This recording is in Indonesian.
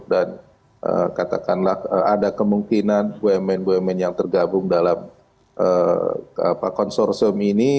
dan katakanlah ada kemungkinan bumn bumn yang tergabung dalam konsorsium ini